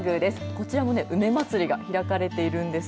こちらも梅まつりが開かれているんです。